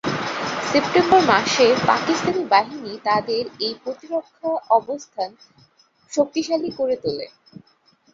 September মাসে পাকিস্তানি বাহিনী তাদের এই প্রতিরক্ষা অবস্থান শক্তিশালী করে তোলে।